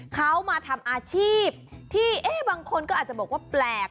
เขามาทำอาชีพที่บางคนก็อาจจะบอกว่าแปลก